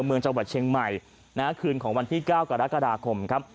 เมืองจังหวัดเชียงใหม่คืนของวันที่๙กรกฎาคมครับ